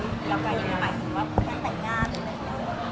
อีกยาวไกลอีกนานหมายถึงว่าตั้งแต่งงานหรืออะไรอย่างนั้น